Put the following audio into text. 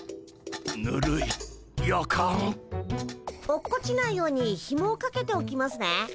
落っこちないようにひもをかけておきますね。